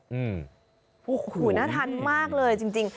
โอ้โหน่าทานมากเลยจริง